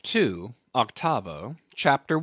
(Octavo), CHAPTER I.